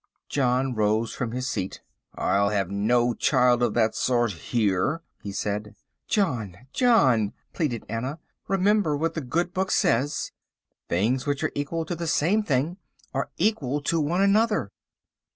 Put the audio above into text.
John rose from his seat. "I'll have no child of that sort here," he said. "John, John," pleaded Anna, "remember what the Good Book says: 'Things which are equal to the same thing are equal to one another!